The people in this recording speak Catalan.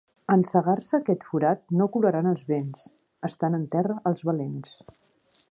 En cegar-se aquest forat, no colaran els vents: estan en terra els valents.